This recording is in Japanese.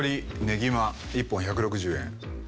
ねぎま１本１６０円。